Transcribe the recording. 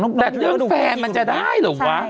ล้อมแฟร์มันจะได้หรือเปล่า